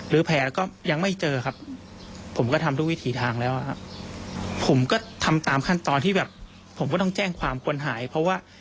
แผลแล้วก็ยังไม่เจอครับผมก็ทำทุกวิถีทางแล้วครับผมก็ทำตามขั้นตอนที่แบบผมก็ต้องแจ้งความคนหายเพราะว่า